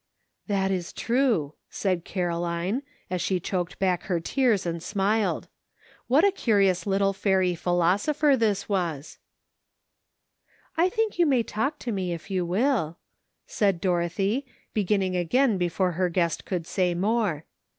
" That is true," said Caroline, and she choked back her tears and smiled ; what a curious little fairy philosopher this was I "SO YOU WANT TO GO HOME?'' 175 " I think you may talk to me if you will," said Dorothy, beginning again before her guest could say more.